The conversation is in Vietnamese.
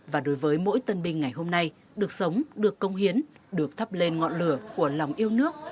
và đối với mỗi tân binh ngày hôm nay được sống được công hiến được thắp lên ngọn lửa của lòng yêu nước